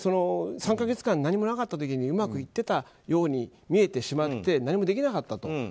３か月間何もなかった時にうまくいってたように見えてしまって何もできなかったと。